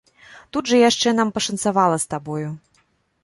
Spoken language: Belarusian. Тут жа яшчэ нам пашанцавала з табою.